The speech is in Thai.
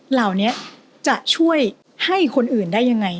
เหล่านี้จะช่วยให้คนอื่นได้ยังไง